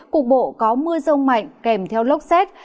cục bộ có mưa rông mạnh kèm theo lốc xét